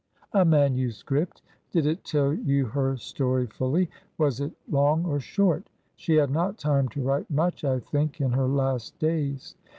"A manuscript? Did it tell you her story fully? Was it long or short? She had not time to write much, I think, in her last days."